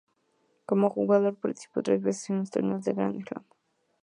Como jugador, participó tres veces en torneos de Grand Slam.